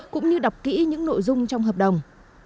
cũng như đọc kỹ những nội dung trong hợp đồng